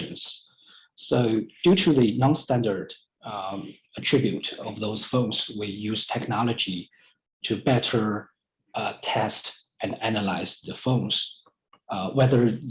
berdasarkan atribut non standard dari handphone tersebut kami menggunakan teknologi untuk mencoba dan menganalisis handphone tersebut